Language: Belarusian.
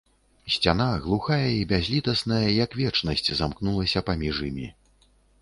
Сцяна, глухая і бязлітасная, як вечнасць, замкнулася паміж імі.